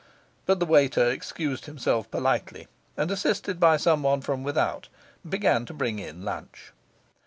But the waiter excused himself politely, and, assisted by some one from without, began to bring in lunch.